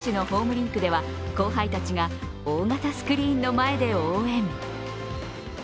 横浜にある鍵山選手のホームリンクでは後輩たちが大型スクリーンの前で応援。